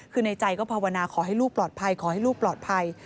คือในใจก็ภาวนาขอให้ลูกปลอดภัยขอให้ลูกปลอดภัย